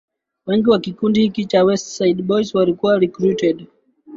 wengi wa kikundi hiki cha West Side Boys walikuwa recruited